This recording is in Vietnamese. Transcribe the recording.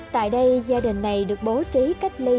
tại đây gia đình này được bố trí cách ly